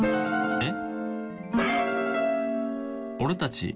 えっ？